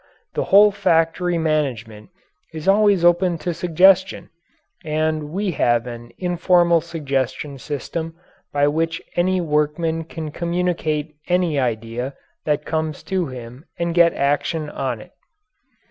The whole factory management is always open to suggestion, and we have an informal suggestion system by which any workman can communicate any idea that comes to him and get action on it.